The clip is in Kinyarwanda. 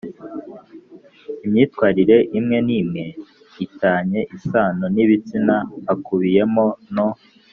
imyitwarire imwe n imwe i tanye isano n ibitsina hakubiyemo no